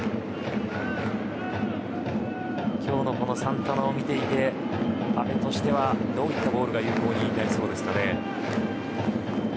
今日のサンタナを見ていて阿部としてはどんなボールが有効になりそうでしょうか。